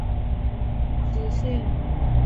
官婺源县知县。